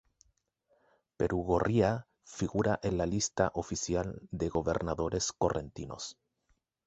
Perugorría figura en la lista oficial de gobernadores correntinos.